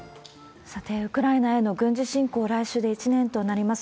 さて、ウクライナへの軍事侵攻、来週で１年となります。